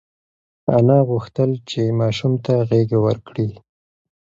انا غوښتل چې ماشوم ته غېږه ورکړي.